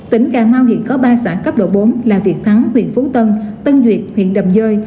tỉnh cà mau hiện có ba xã cấp độ bốn là việt thắng huyện phú tân tân duyệt huyện đầm dơi